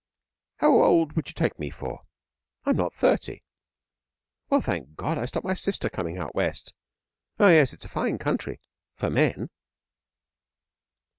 How old would you take me for? I'm not thirty. Well thank God, I stopped my sister coming out West. Oh yes, it's a fine country for men.'